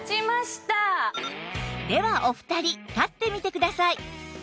ではお二人立ってみてください